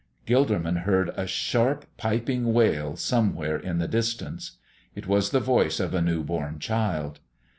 Gilderman heard a sharp, piping wail somewhere in the distance. It was the voice of a newborn child.